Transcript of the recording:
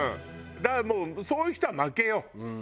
だからもうそういう人は負けよ。